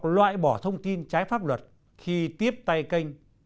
loại bỏ thông tin trái pháp luật khi tiếp tay kênh